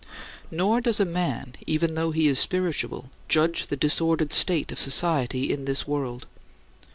Nor does a man, even though he is spiritual, judge the disordered state of society in this world.